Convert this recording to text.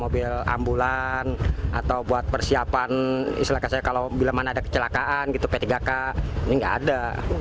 bila mana ada kecelakaan p tiga k ini nggak ada